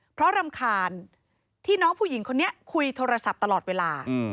เพราะรำคาญที่น้องผู้หญิงคนนี้คุยโทรศัพท์ตลอดเวลา